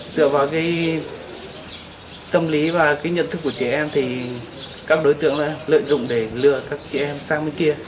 dựa vào cái tâm lý và cái nhận thức của trẻ em thì các đối tượng lợi dụng để lừa các chị em sang bên kia